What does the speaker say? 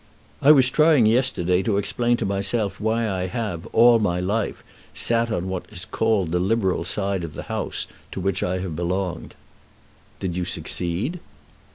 I was trying yesterday to explain to myself why I have, all my life, sat on what is called the Liberal side of the House to which I have belonged." "Did you succeed?"